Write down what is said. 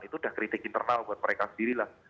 itu udah kritik internal buat mereka sendiri lah